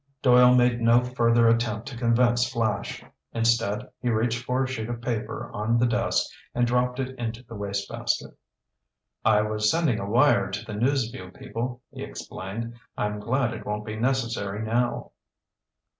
Doyle made no further attempt to convince Flash. Instead, he reached for a sheet of paper on the desk and dropped it into the waste basket. "I was sending a wire to the News Vue people," he explained. "I'm glad it won't be necessary now."